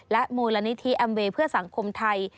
มูลนิธิแอมเวย์เพื่อสังคมไทย